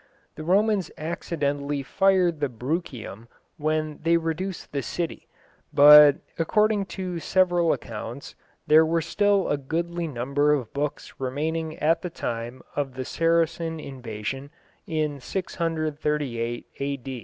The Romans accidentally fired the Bruchium when they reduced the city, but according to several accounts there were still a goodly number of books remaining at the time of the Saracen invasion in 638 A.